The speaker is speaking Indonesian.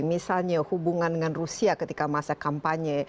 misalnya hubungan dengan rusia ketika masa kampanye